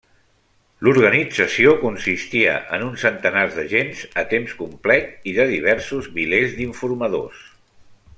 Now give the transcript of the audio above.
L'organització consistia en uns centenars d'agents a temps complet i de diversos milers d'informadors.